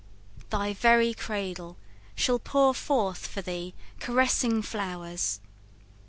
Thy very cradle shall pour forth for thee Caressing flowers.